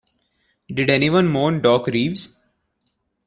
Did anyone mourn Doc Reeves?